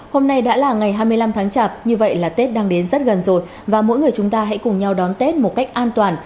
hôm nay đã là ngày hai mươi năm tháng chạp như vậy là tết đang đến rất gần rồi và mỗi người chúng ta hãy cùng nhau đón tết một cách an toàn